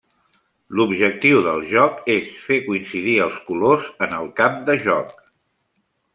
L'objectiu del joc és fer coincidir els colors en el camp de joc.